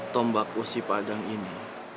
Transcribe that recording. tombak wosipadang ini